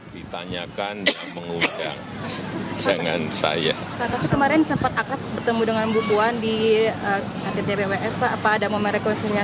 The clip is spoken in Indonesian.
ditanyakan dengan saya kemarin cepat akrab bertemu dengan bukuan di